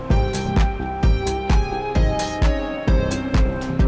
emang kita harus berpulang